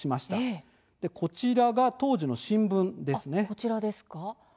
こちらが当時の新聞ですね。